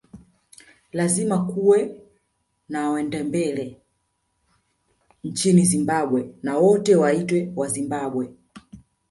Lazima kuwe na Wandebele nchini Zimbabwe na wote waitwe Wazimbabwe